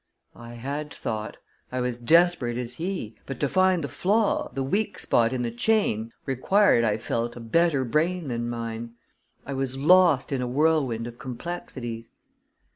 I had thought. I was desperate as he but to find the flaw, the weak spot in the chain, required, I felt, a better brain than mine. I was lost in a whirlwind of perplexities.